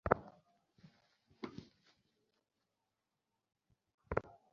তুমি সব বদলে ফেলেছো।